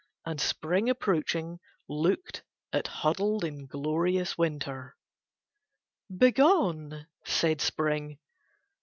And Spring approaching looked at huddled inglorious Winter. "Begone," said Spring.